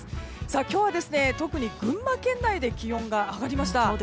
今日は特に群馬県内で気温が上がりました。